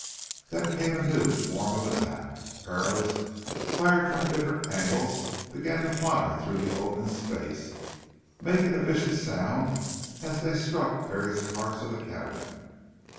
Then came a new form of attack. Arrows fired from different angles began to fly through the open space, making a vicious sound as they struck various parts of the cabin.